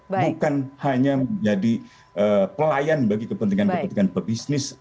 bukan hanya menjadi pelayan bagi kepentingan kepentingan pebisnis